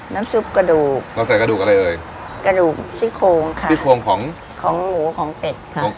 น้ำซุปกระดูกเราใส่กระดูกอะไรเอ่ยกระดูกซี่โครงค่ะซี่โครงของของหมูของเป็ดค่ะ